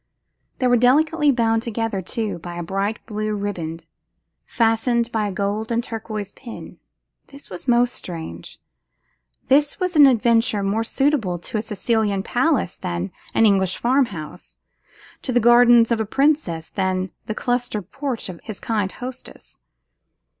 They were delicately bound together, too, by a bright blue riband, fastened by a gold and turquoise pin. This was most strange; this was an adventure more suitable to a Sicilian palace than an English farm house; to the gardens of a princess than the clustered porch of his kind hostess.